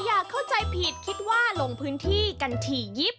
อย่าเข้าใจผิดคิดว่าลงพื้นที่กันถี่ยิบ